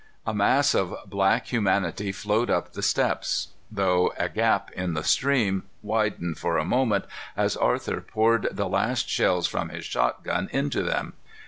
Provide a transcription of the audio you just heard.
A mass of black humanity flowed up the steps, though a gap in the stream widened for a moment as Arthur poured the last shells from his shotgun into them.